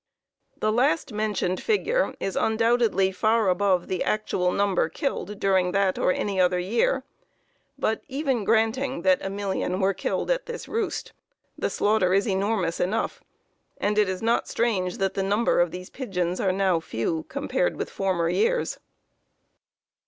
The last mentioned figure is undoubtedly far above the actual number killed during that or any other year, but even granting that but a million were killed at this roost, the slaughter is enormous enough, and it is not strange that the number of these pigeons are now few, compared with former years.